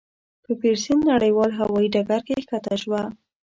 په پېرسن نړیوال هوایي ډګر کې کښته شوه.